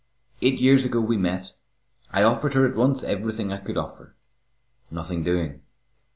Eight years ago we met. I offered her at once everything I could offer. Nothing doing.